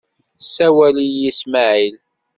Sawal-iyi Smaεil.